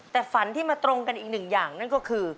แต่ฝันที่มาตรงกันอีกหนึ่งอย่างนั่นก็คือ